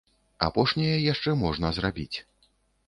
Апошняе яшчэ можна зрабіць.